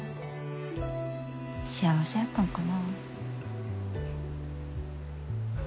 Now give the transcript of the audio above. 幸せやったんかな？